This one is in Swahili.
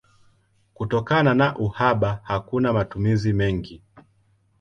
Kutokana na uhaba hakuna matumizi mengi.